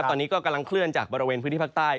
ตอนนี้ก็กำลังเคลื่อนจากบริเวณพื้นที่ภาคใต้